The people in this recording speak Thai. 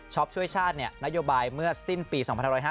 ช๊อปช่วยชาตินัยนโยบายเมื่อสิ้นปี๒๕๘